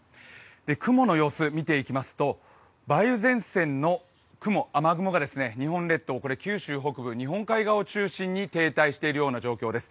雲の様子を見ていきますと梅雨前線の雲、雨雲が日本列島九州北部、日本海側を中心に停滞しているような状態です。